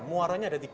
muaranya ada tiga